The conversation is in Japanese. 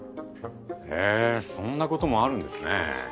へぇそんなこともあるんですねぇ。